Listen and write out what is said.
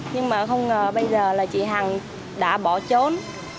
nhưng mà không ngờ bây giờ là chị hằng đã bỏ trốn